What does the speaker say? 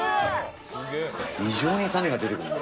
異常に種が出てくる。